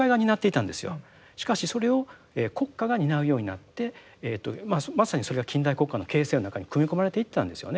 しかしそれを国家が担うようになってまさにそれが近代国家の形成の中に組み込まれていったんですよね。